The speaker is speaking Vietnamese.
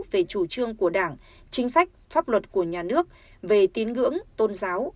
về chủ trương của đảng chính sách pháp luật của nhà nước về tín ngưỡng tôn giáo